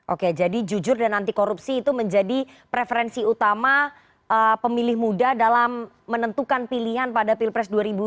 oke jadi jujur dan anti korupsi itu menjadi preferensi utama pemilih muda dalam menentukan pilihan pada pilpres dua ribu dua puluh